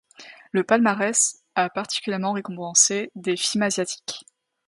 Le palmarès a particulièrement récompensé des films asiatiques.